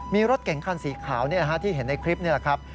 มีรถเก่งคันสีขาวที่เห็นในคลิปนี่แหละครับ